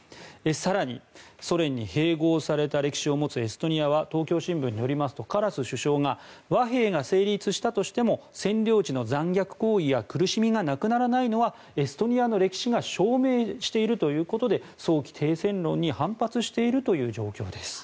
更に、ソ連に併合された歴史を持つエストニアは東京新聞によりますとカラス首相が和平が成立したとしても占領地の残虐行為や苦しみがなくならないのはエストニアの歴史が証明しているということで早期停戦論に反発しているという状況です。